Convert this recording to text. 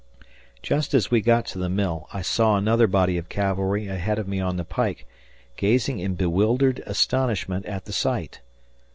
Just as we got to the mill, I saw another body of cavalry ahead of me on the pike, gazing in bewildered astonishment at the sight.